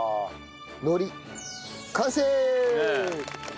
完成！